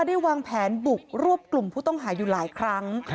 ได้วางแผนบุกรวบกลุ่มผู้ต้องหาอยู่หลายครั้ง